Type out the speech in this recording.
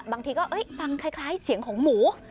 บางทีก็ฟังคล้ายเสียงของหมู